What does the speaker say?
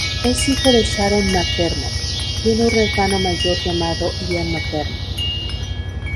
Es hijo de Sharon McDermott, tiene un hermano mayor llamado Ian McDermott.